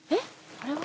あれは？